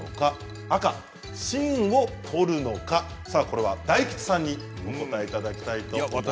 さあこれは大吉さんにお答えいただきたいと思います。